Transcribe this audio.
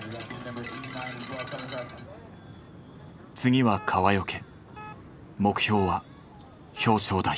次は川除目標は表彰台。